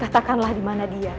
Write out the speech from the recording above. katakanlah dia ada di sana